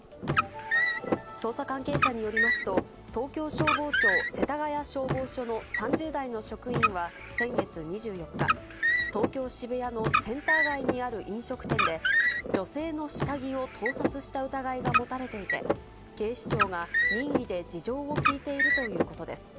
捜査関係者によりますと、東京消防庁世田谷消防署の３０代の職員は先月２４日、東京・渋谷のセンター街にある飲食店で、女性の下着を盗撮した疑いが持たれていて、警視庁が任意で事情を聴いているということです。